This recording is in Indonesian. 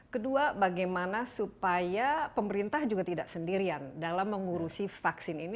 kedua bagaimana supaya pemerintah juga tidak sendirian dalam mengurusi vaksin ini